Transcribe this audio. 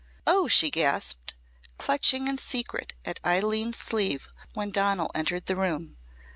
"Oh!" she gasped, clutching in secret at Eileen's sleeve when Donal entered the room.